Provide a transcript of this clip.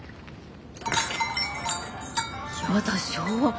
やだ昭和！